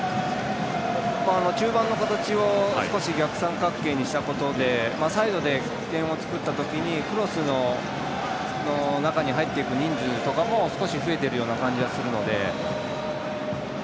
中盤の形を少し逆三角形にしたことでサイドで起点を作った時にクロスの中に入ってくる人数も少し増えているような感じはするので。